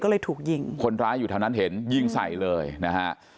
เป็นคนร้ายอยู่ทางนั้นเห็นยิงใสเลยนะฮะ